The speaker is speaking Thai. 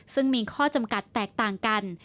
ซึ่งมีข้อจำกัดแตกต่างกัน